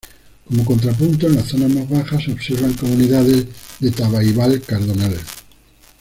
Como contrapunto, en las zonas más bajas se observan comunidades de tabaibal-cardonal.